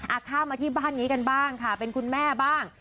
ข้ามมาที่บ้านนี้กันบ้างค่ะเป็นคุณแม่บ้าง